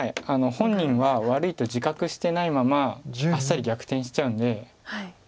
本人は悪いと自覚してないままあっさり逆転しちゃうんで。